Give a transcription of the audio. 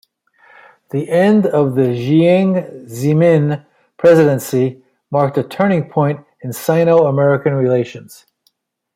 The end of the Jiang Zemin presidency marked a turning point in Sino-American relations.